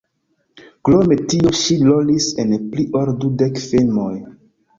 Krom tio ŝi rolis en pli ol dudek filmoj.